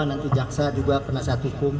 nanti jaksa juga penasihat hukum